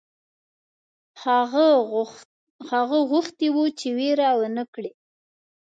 هغه غوښتي وه چې وېره ونه کړي.